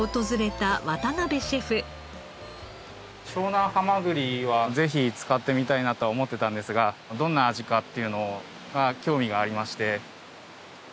湘南はまぐりはぜひ使ってみたいなとは思ってたんですがどんな味かっていうのを興味がありまして。